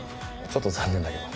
ちょっと残念だけど。